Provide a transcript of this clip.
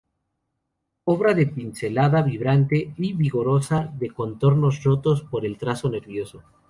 Obra de pincelada vibrante y vigorosa y de contornos rotos por el trazo nervioso.